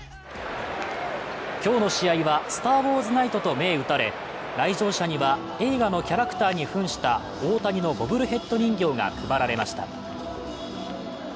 今日の試合は、スターウォーズ・ナイトと銘打たれ、来場者には映画のキャラクターにふんした大谷のボブルヘッド人形が配られました。